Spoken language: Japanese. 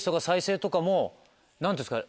何ていうんですかね？